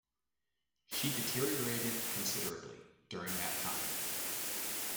She deteriorated considerably during that time.